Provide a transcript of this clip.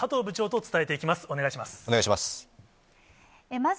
お願いします。